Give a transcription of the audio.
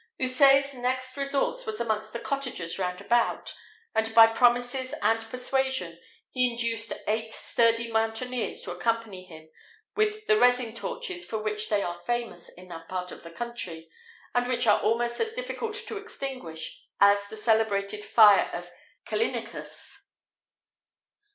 Houssaye's next resource was amongst the cottagers round about, and, by promises and persuasion, he induced eight sturdy mountaineers to accompany him with the resin torches for which they are famous in that part of the country, and which are almost as difficult to extinguish as the celebrated fire of Callinicus.